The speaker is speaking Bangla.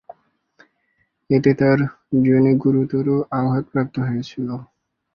এতে তার যোনি গুরুতর আঘাতপ্রাপ্ত হয়েছিল।